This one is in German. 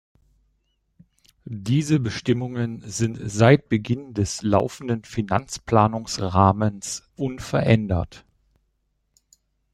Diese Bestimmungen sind seit Beginn des laufenden Finanzplanungsrahmens unverändert.